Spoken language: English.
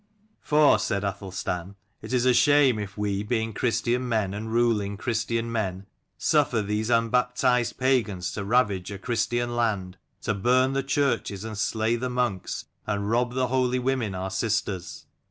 "For," said Athelstan, "it is a shame if we, being Christian men and ruling Christian men, suffer these unbaptized pagans to ravage a Christian land, to burn the churches, and slay the monks, and rob the holy women our sisters.